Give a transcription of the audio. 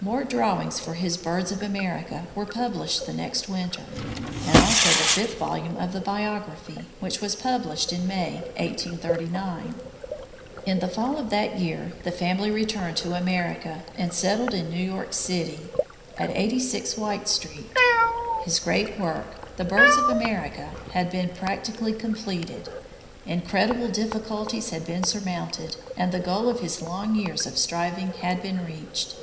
More drawings for his "Birds of America" were finished the next winter, and also the fifth volume of the "Biography" which was published in May, 1839. In the fall of that year the family returned to America and settled in New York City, at 86 White street. His great work, the "Birds of America," had been practically completed, incredible difficulties had been surmounted, and the goal of his long years of striving had been reached.